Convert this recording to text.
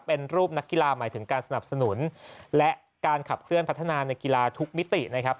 เป็นรูปนักกีฬาหมายถึงการสนับสนุนและการขับเคลื่อนพัฒนาในกีฬาทุกมิตินะครับ